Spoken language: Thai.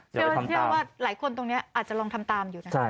เชื่อว่าหลายคนตรงนี้อาจจะลองทำตามอยู่นะ